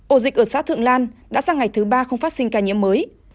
ổ dịch ở xã thượng lan đã sang ngày thứ ba không phát sinh ca nhiễm mới